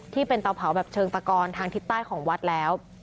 เตาเผาแบบเชิงตะกอนทางทิศใต้ของวัดแล้ว